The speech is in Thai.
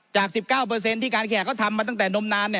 ๑๙ที่การแขกเขาทำมาตั้งแต่นมนาน